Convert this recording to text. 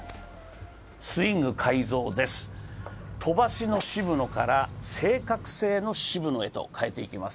スイング改造です、飛ばしの渋野から正確性の渋野へと変えていきます。